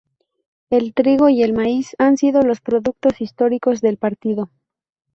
El trigo y el maíz han sido los productos históricos del partido.